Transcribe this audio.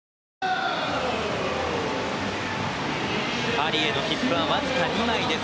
パリへの切符はわずか２枚です。